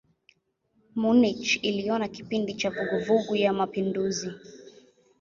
Munich iliona kipindi cha vuguvugu ya mapinduzi.